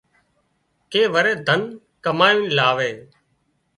ڪي وري ڌن ڪامئينَ لاوي